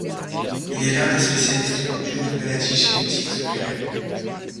Il est l’un des spécialistes mondiaux des maladies génétiques oculaires.